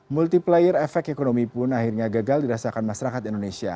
multiplier efek ekonomi pun akhirnya gagal dirasakan masyarakat indonesia